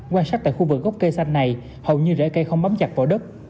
quan sát tại khu vực gốc cây xanh này hầu như rễ cây không mấm chặt vào đất